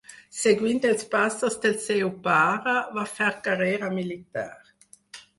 Seguint els passos del seu pare, va fer carrera militar.